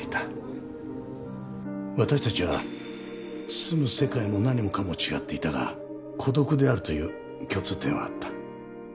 私たちは住む世界も何もかも違っていたが孤独であるという共通点はあった。